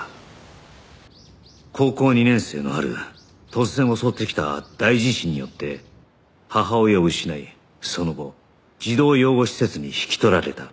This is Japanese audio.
高校２年生の春突然襲ってきた大地震によって母親を失いその後児童養護施設に引き取られた